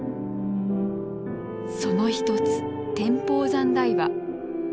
その一つ天保山台場。